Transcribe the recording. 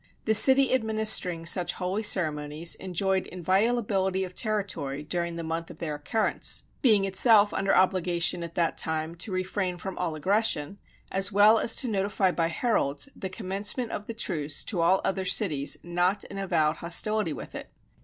The city administering such holy ceremonies enjoyed inviolability of territory during the month of their occurrence, being itself under obligation at that time to refrain from all aggression, as well as to notify by heralds the commencement of the truce to all other cities not in avowed hostility with it.